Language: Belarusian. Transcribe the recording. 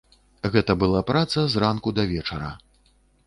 Гэта была праца з ранку да вечара.